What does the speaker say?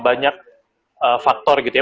banyak faktor gitu ya